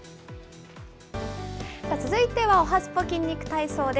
続いてはおはＳＰＯ筋肉体操です。